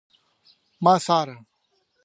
ما څاره